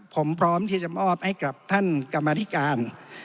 ผมพร้อมที่จะมอบให้กับท่านกรรมธิการ